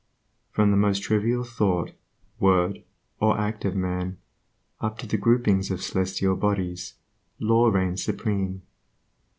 From the most trivial thought, word, or act of man, up to the groupings of the celestial bodies, law reigns supreme.